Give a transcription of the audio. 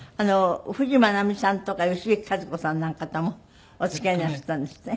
冨士眞奈美さんとか吉行和子さんなんかともお付き合いなすったんですって？